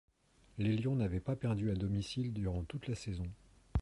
Les Lions n'avaient pas perdu à domicile durant toute la saison.